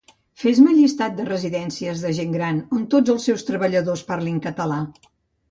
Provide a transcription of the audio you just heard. Fes-me llistat de Residències de gent gran on tots els seus treballadors parlin català